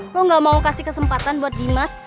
gue gak mau kasih kesempatan buat dimas